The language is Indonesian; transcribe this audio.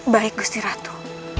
baik gusti ratu